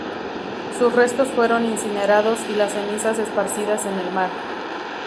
Sus restos fueron incinerados y las cenizas esparcidas en el mar.